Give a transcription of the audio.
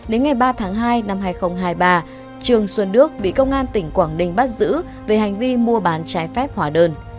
đến ngày ba tháng hai năm hai nghìn hai mươi ba trường xuân đức bị công an tỉnh quảng ninh bắt giữ về hành vi mua bán trái phép hóa đơn